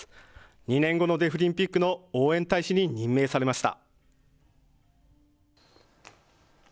２年後のデフリンピックの応援大使に任命されました。